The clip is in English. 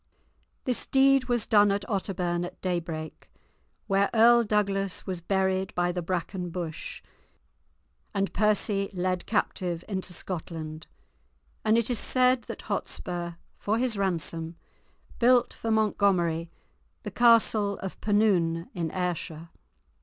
This deed was done at Otterbourne at daybreak, where Earl Douglas was buried by the bracken bush, and Percy led captive into Scotland, and it is said that Hotspur, for his ransom, built for Montgomery the castle of Penoon, in Ayrshire.